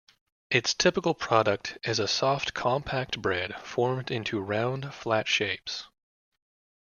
Its typical product is a soft compact bread formed into round, flat shapes.